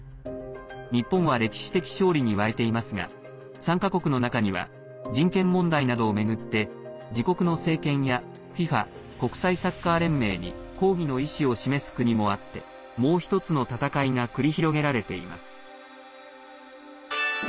日本は歴史的勝利に沸いていますが参加国の中には人権問題などを巡って自国の政権やＦＩＦＡ＝国際サッカー連盟に抗議の意思を示す国もあってもう１つの戦いが繰り広げられています。